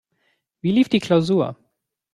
Wie lief die Klausur?